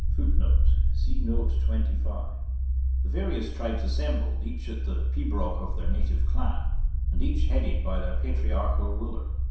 [Footnote: See Note 25.] The various tribes assembled, each at the pibroch of their native clan, and each headed by their patriarchal ruler.